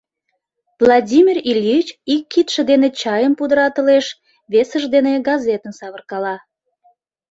Владимир Ильич ик кидше дене чайым пудыратылеш, весыж дене газетым савыркала.